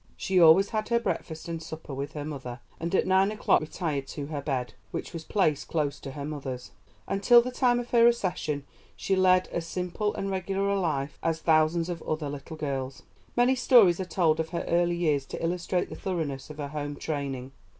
She always had her breakfast and supper with her mother, and at nine o'clock retired to her bed, which was placed close to her mother's. Until the time of her accession she led as simple and regular a life as thousands of other little girls. Many stories are told of her early years to illustrate the thoroughness of her home training.